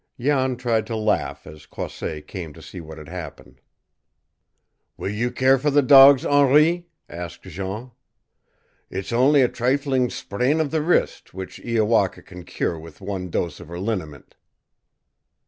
Jan tried to laugh as Croisset came to see what had happened. "Will you care for the dogs, Henri?" asked Jean. "It's only a trifling sprain of the wrist, which Iowaka can cure with one dose of her liniment."